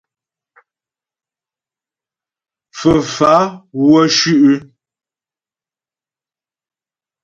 Fə́fá'a wə́ shʉ'.